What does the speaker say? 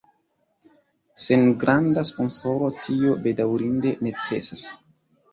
Sen granda sponsoro tio bedaŭrinde necesas.